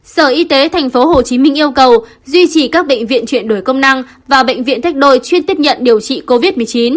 sở y tế tp hcm yêu cầu duy trì các bệnh viện chuyển đổi công năng và bệnh viện thách đồi chuyên tiếp nhận điều trị covid một mươi chín